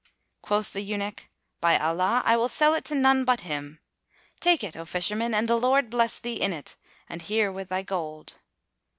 Quoth the eunuch, "By Allah, I will sell it to none but him! Take it, O Fisherman, the Lord bless thee in it, and here with thy gold."